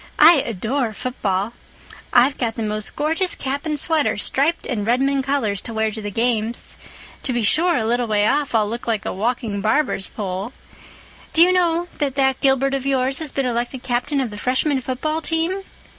I adore football. I've got the most gorgeous cap and sweater striped in Redmond colors to wear to the games. To be sure, a little way off I'll look like a walking barber's pole. Do you know that that Gilbert of yours has been elected Captain of the Freshman football team?"